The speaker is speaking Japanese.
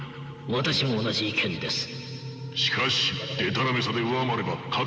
私も同じ意見です。